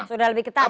sudah lebih ketat ya